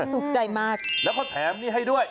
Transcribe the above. ถูกใจมากแล้วก็แถมนี่ให้ด้วย